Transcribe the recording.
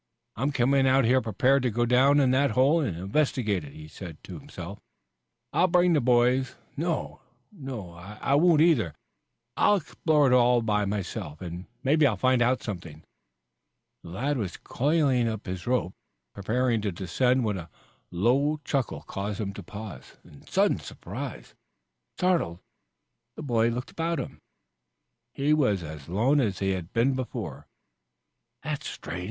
"I'm coming out here prepared to go down in that hole and investigate it," he said to himself. "I'll bring the boys no, I won't either. I'll explore it all myself and maybe I'll find out something." The lad was coiling his rope, preparing to descend when a low chuckle caused him to pause in sudden surprise. Startled, the boy looked about him. He was alone as he had been before. "That's strange.